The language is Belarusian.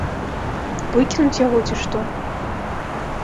Выкінуць яго, ці што?